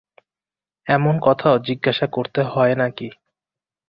এমন কথাও জিজ্ঞাসা করতে হয় নাকি?